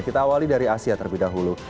kita awali dari asia terlebih dahulu